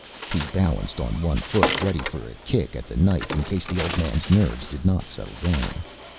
He balanced on one foot, ready for a kick at the knife in case the old man's nerves did not settle down.